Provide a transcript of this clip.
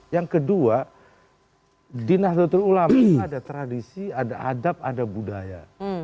yang kedua di nahdlatul ulama itu ada tradisi ada adab ada budaya